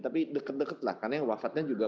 tapi deket deket lah karena yang wafatnya juga